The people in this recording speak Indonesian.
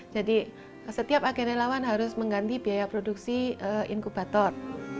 jadi setiap agen relawan harus mengganti biaya produksi inkubator